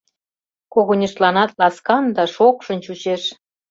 Когыньыштланат ласкан да шокшын чучеш.